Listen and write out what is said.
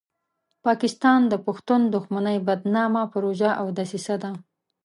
پاکستان د پښتون دښمنۍ بدنامه پروژه او دسیسه ده.